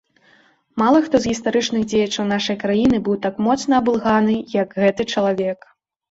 Мала хто з гістарычных дзеячаў нашай краіны быў так моцна абылганы, як гэты чалавек.